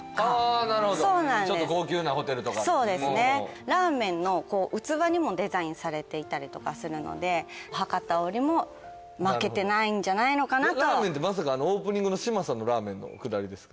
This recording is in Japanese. なるほどちょっと高級なホテルとかラーメンの器にもデザインされていたりするので博多織も負けてないんじゃないのかなとラーメンってまさかあのオープニングの嶋佐のラーメンのくだりですか？